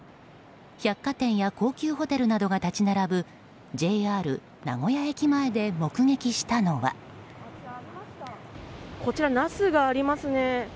百貨店や高級ホテルなどが立ち並ぶ、ＪＲ名古屋駅前でこちらナスがありますね。